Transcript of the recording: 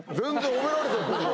褒められちゃってるよ。